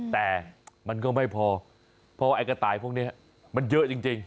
แต่มันก็ไม่พอเพราะไอ้กระต่ายพวกนี้มันเยอะจริง